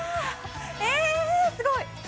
えー、すごい。